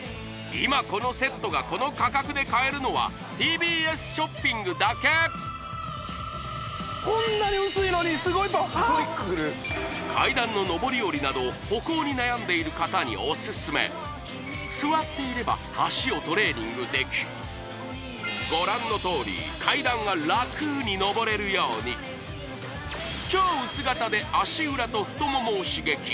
今このセットがこの価格で買えるのはＴＢＳショッピングだけこんなに薄いのにすごいパワー階段の上り下りなど歩行に悩んでいる方にオススメ座っていれば脚をトレーニングできご覧のとおり階段が楽に上れるように超薄型で足裏と太ももを刺激